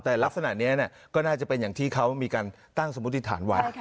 แต่ลักษณะนี้ก็น่าจะเป็นอย่างที่เขามีการตั้งสมมุติฐานไว้